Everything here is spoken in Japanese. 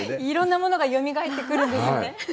いろんなものがよみがえってくるんですね。